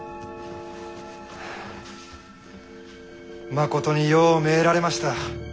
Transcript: まことによう参られました。